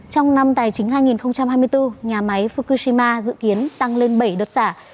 trong năm tài chính hai nghìn hai mươi bốn nhà máy fukushima dự kiến tăng lên bảy đợt xả